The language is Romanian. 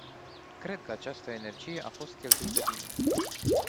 Cred că această energie a fost cheltuită bine.